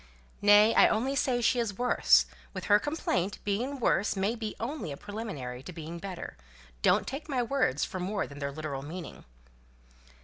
"Nay, I only say she is worse. With her complaint, being worse may be only a preliminary to being better. Don't take my words for more than their literal meaning."